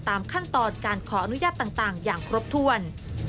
ตามขั้นตอนการขออนุญาตต่างอย่างครบถ้วน